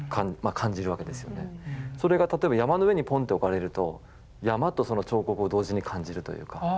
それが例えば山の上にポンて置かれると山とその彫刻を同時に感じるというか。